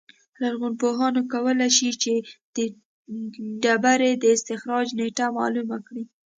لرغونپوهان کولای شي چې د ډبرې د استخراج نېټه معلومه کړي